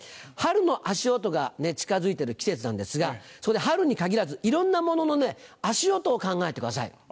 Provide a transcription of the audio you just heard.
春の足音が近づいてる季節なんですがそこで春に限らずいろんなものの足音を考えてください。